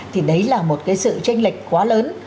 thì đấy là một cái sự tranh lệch quá lớn